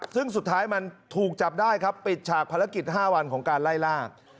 ซึ่งสุดท้ายมันถูกจับได้ครับปิดฉากภารกิจ๕วันของการไล่ล่า